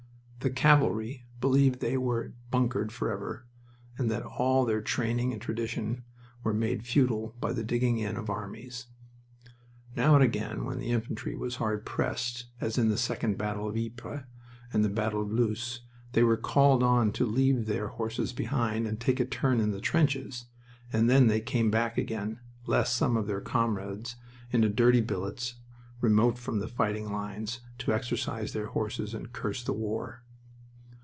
The cavalry believed they were "bunkered" forever, and that all their training and tradition were made futile by the digging in of armies. Now and again, when the infantry was hard pressed, as in the second battle of Ypres and the battle of Loos, they were called on to leave their horses behind and take a turn in the trenches, and then they came back again, less some of their comrades, into dirty billets remote from the fighting lines, to exercise their horses and curse the war.